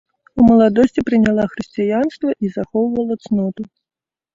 У маладосці прыняла хрысціянства і захоўвала цноту.